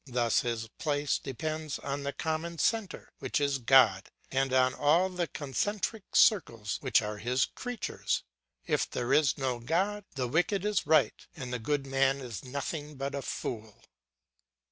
Thus his place depends on the common centre, which is God, and on all the concentric circles which are His creatures. If there is no God, the wicked is right and the good man is nothing but a fool.